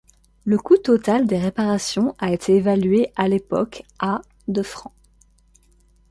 Le coût total des réparations a été évalué à l'époque à de francs.